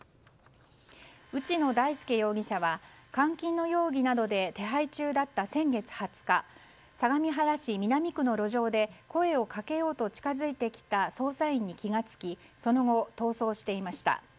内野大輔容疑者は監禁の容疑などで手配中だった先月２０日相模原市南区の路上で声をかけようと近づいてきた捜査員に気が付きその後、逃走していました。